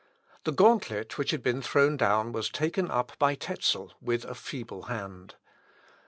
The gauntlet which had been thrown down was taken up by Tezel with a feeble hand.